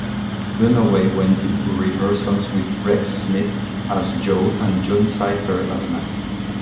Dunaway went into rehearsals with Rex Smith as Joe and Jon Cypher as Max.